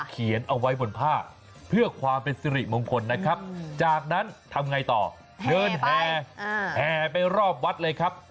เขียนเอาไว้บนผ้าเพื่อความเป็นสิริมงคลนะครับจากนั้นทำไงต่อเดินแห่แห่ไปรอบวัดเลยครับ